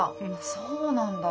そうなんだ。